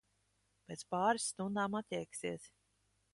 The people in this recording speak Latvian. Pēc pāris stundām atjēgsies.